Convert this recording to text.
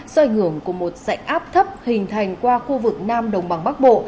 do ảnh hưởng của một dạnh áp thấp hình thành qua khu vực nam đồng bằng bắc bộ